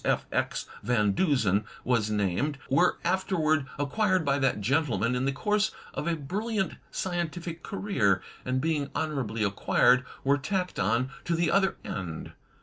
F. X. Van Dusen was named, were afterward acquired by that gentleman in the course of a brilliant scientific career, and, being honorably acquired, were tacked on to the Qther end.